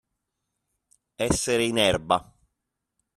Essere in erba.